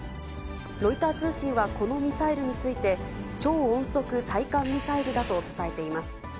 ロイター通信はこのミサイルについて、超音速対艦ミサイルだと伝えています。